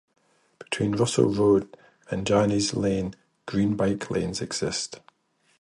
Between Russell Road and Janney's Lane, green bike lanes exist.